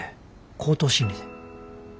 口頭審理で。